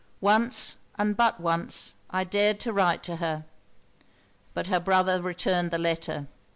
Once, and but once, I dared write to her. But her brother returned the letter.